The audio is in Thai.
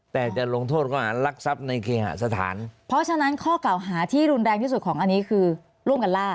แต่จะลงโทษข้อหารักทรัพย์ในเคหาสถานเพราะฉะนั้นข้อเก่าหาที่รุนแรงที่สุดของอันนี้คือร่วมกันล่า